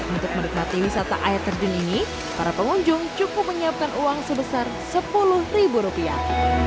untuk menikmati wisata air terjun ini para pengunjung cukup menyiapkan uang sebesar sepuluh ribu rupiah